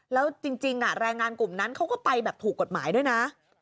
แล้วจริงแรงงานกลุ่มนั้นเขาก็ไปแบบถูกกฎหมายด้วยนะ